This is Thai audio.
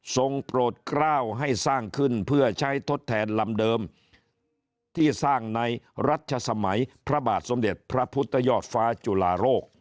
โปรดกล้าวให้สร้างขึ้นเพื่อใช้ทดแทนลำเดิมที่สร้างในรัชสมัยพระบาทสมเด็จพระพุทธยอดฟ้าจุลาโรค